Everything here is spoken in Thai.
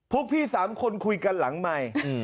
พวกพี่๓คนคุยกันหลังใหม่